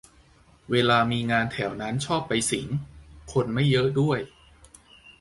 เวลามีงานแถวนั้นชอบไปสิง คนไม่เยอะด้วย